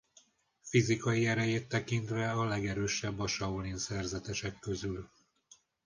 Fizikai erejét tekintve a legerősebb a Shaolin szerzetesek közül.